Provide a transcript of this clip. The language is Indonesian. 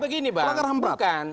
bukan begini bang